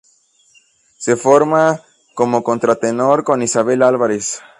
Se forma como contratenor con Isabel Alvarez.